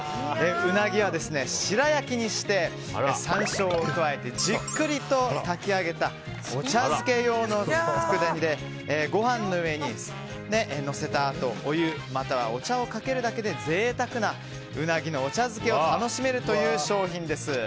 ウナギは白焼きにして山椒を加えてじっくりと炊き上げたお茶漬け用の佃煮でご飯の上にのせたあとお湯またはお茶をかけるだけで贅沢なウナギのお茶漬けを楽しめるという商品です。